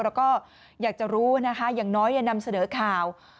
เราก็อยากจะรู้นะคะอย่างน้อยนำเสนอข่าว